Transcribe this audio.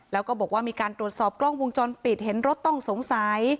แล้วก็บอกว่ามีการตรวจสอบกล้องวงจรปิดเห็นรถต้องสงสัย